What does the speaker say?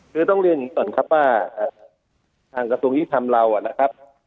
คือต้องเล่นที่ส่วนครับว่าทางกระสุนยุติธรรมนะครับ